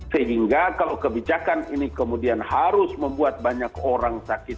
sehingga kalau kebijakan ini kemudian harus membuat banyak orang sakit